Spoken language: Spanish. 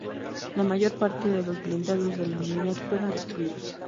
La mayor parte de los blindados de la unidad fueron destruidos.